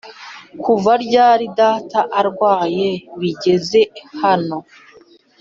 kuva ryari data arwaye bigeze hano!?